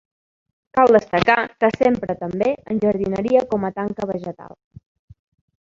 Cal destacar que s'empra també en jardineria com a tanca vegetal.